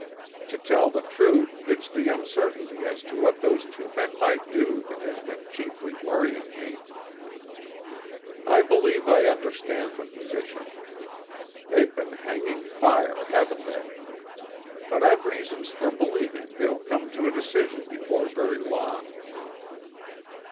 "To tell the truth, it's the uncertainty as to what those two men might do that has been chiefly worrying me." "I believe I understand the position; they've been hanging fire, haven't they? But I've reasons for believing they'll come to a decision before very long."